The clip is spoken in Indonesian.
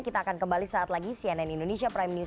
kita akan kembali saat lagi cnn indonesia prime news